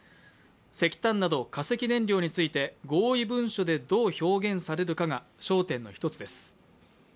石炭など化石燃料について合意文書でどう表現されるかが焦点の１つです。